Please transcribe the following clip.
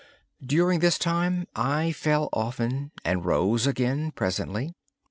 During this time I fell often, and rose again presently.